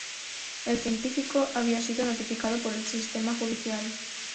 El científico había sido notificado por el sistema judicial.